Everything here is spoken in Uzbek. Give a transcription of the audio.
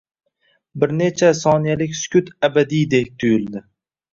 Bir necha soniyalik sukut abadiydek tuyuldi